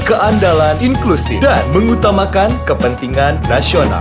keandalan inklusi dan mengutamakan kepentingan nasional